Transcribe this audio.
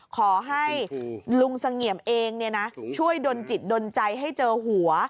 ขอให้ลุงสังเงียมเองเนี่ยนะช่วยดนต์จิตดนใจให้เจอหัว